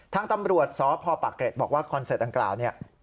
ทั้งตำรวจสพปะเกรดบอกว่าคอนเซิร์ตอังกราว